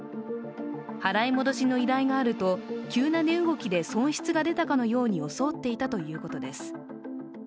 払い戻しの依頼があると急な値動きで損失が出たかのように装っていたということです。